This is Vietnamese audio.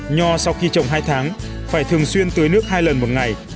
nho sau khi trồng hai tháng phải thường xuyên tưới nước hai lần một ngày